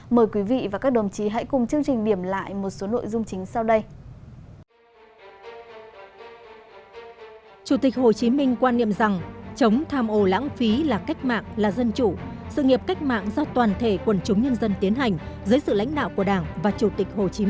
mời quý vị và các đồng chí hãy cùng chương trình điểm lại một số nội dung chính sau đây